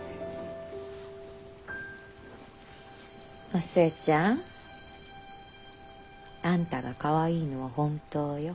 お寿恵ちゃんあんたがかわいいのは本当よ。